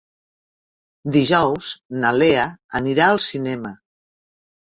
Dijous na Lea anirà al cinema.